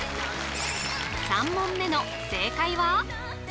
３問目の正解は？